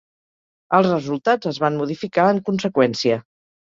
Els resultats es van modificar en conseqüència.